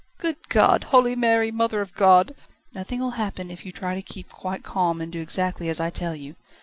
"Good God! Holy Mary! Mother of God!" "Nothing 'll happen if you try to keep quite calm and do exactly as I tell you.